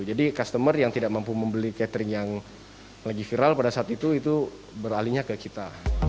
jadi customer yang tidak mampu membeli catering yang lagi viral pada saat itu itu beralihnya ke kita